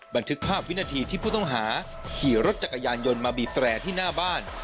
บันทึกภาพวินาทีที่ผู้ต้องหาขี่รถจักรยานยนต์มาบีบแตรที่หน้าบ้าน